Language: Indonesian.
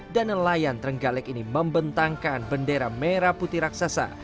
dan nelayan terenggalek ini membentangkan bendera merah putih raksasa